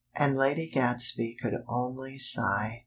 And Lady Gadsby could only sigh.